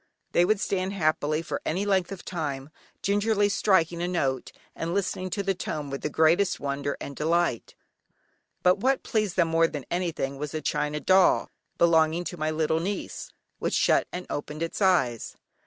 They would stand happily for any length of time, gingerly striking a note, and listening to the tone with the greatest wonder and delight. But what pleased them more than anything was a china doll, belonging to my little niece, which shut and opened its eyes.